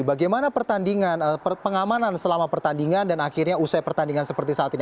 bagaimana pertandingan pengamanan selama pertandingan dan akhirnya usai pertandingan seperti saat ini